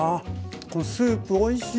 このスープおいしい。